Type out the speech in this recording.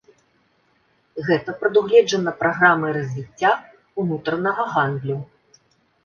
Гэта прадугледжана праграмай развіцця ўнутранага гандлю.